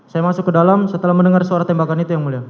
saya masuk ke dalam setelah mendengar suara tembakan itu yang mulia